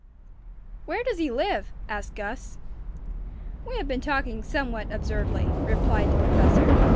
"Where does he live?" asked Gus. "We have been talking somewhat absurdly," replied the Professor.